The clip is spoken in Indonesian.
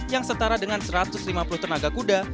yang setara dengan satu ratus lima puluh tenaga kuda